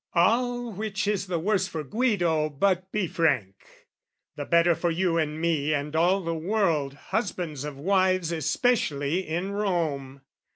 All which is the worse for Guido, but, be frank The better for you and me and all the world, Husbands of wives, especially in Rome.